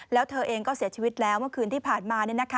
แล้วเธอเองก็เสียชีวิตแล้วเมื่อคืนที่ผ่านมา